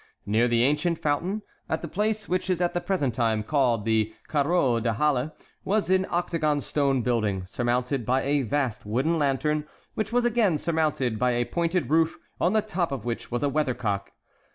Near the ancient fountain, at the place which is at the present time called the Carreau des Halles, was an octagon stone building, surmounted by a vast wooden lantern, which was again surmounted by a pointed roof, on the top of which was a weathercock.